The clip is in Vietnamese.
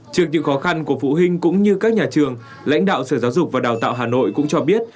trước những khó khăn của phụ huynh cũng như các nhà trường lãnh đạo sở giáo dục và đào tạo hà nội cũng cho biết